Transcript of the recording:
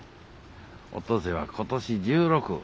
お登勢は今年１６。